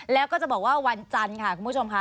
แล้วก็จะบอกว่าวันจันทร์ค่ะคุณผู้ชมค่ะ